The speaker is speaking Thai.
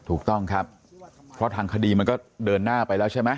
ถูกต้องครับเพราะทางคดีมันก็เดินหน้าไปแล้วใช่ไหม